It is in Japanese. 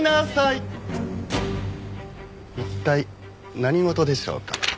一体何事でしょうか？